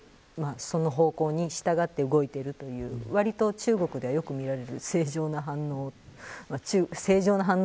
その方向に従っているというわりと中国でよく見られる正常な反応。